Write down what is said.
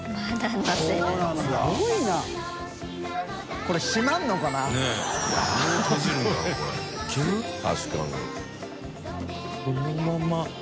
このまま。